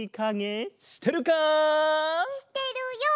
してるよ！